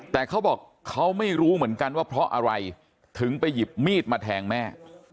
แต่เขาบอกเขาไม่รู้เหมือนกันว่าเพราะอะไรถึงไปหยิบมีดมาแทงแม่